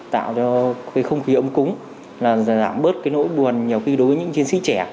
tạo cho cái không khí ấm cúng là giảm bớt cái nỗi buồn nhiều khi đối với những chiến sĩ trẻ